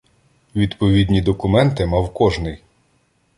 Відповідні документи мав кожний.